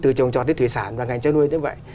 từ trồng trọt đến thủy sản và ngành chăn nuôi như vậy